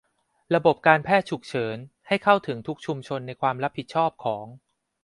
ระบบการแพทย์ฉุกเฉินให้เข้าถึงทุกชุมชนในความรับผิดชอบของ